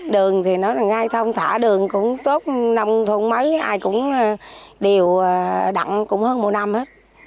đường thì nói là ngay thông thả đường cũng tốt nông thôn mấy ai cũng đều đặn cũng hơn một năm hết